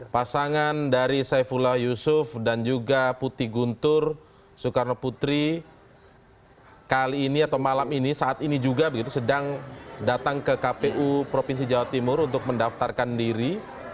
pasangan dari saifullah yusuf dan juga putih guntur soekarno putri kali ini atau malam ini saat ini juga begitu sedang datang ke kpu provinsi jawa timur untuk mendaftarkan diri